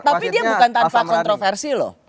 tapi dia bukan tanpa kontroversi loh